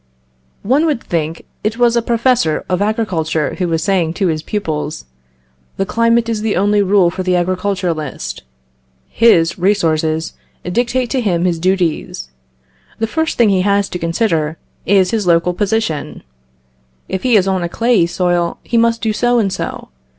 One would think it was a professor of agriculture who was saying to his pupils "The climate is the only rule for the agriculturist. His resources dictate to him his duties. The first thing he has to consider is his local position. If he is on a clayey soil, he must do so and so.